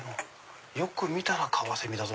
よく見たらカワセミだぞ！